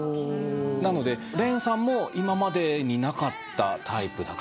なのでれんさんも今までになかったタイプ。